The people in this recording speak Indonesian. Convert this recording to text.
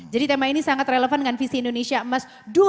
jadi tema ini sangat relevan dengan visi indonesia emas dua ribu empat puluh lima